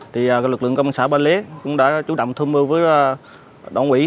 thì lực lượng công an xã ba lế cũng đã chủ động thương mưu với đoàn quỹ